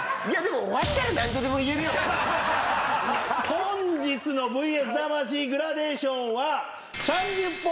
本日の『ＶＳ魂』グラデーションは。